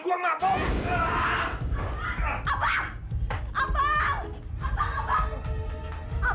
suli bangun bang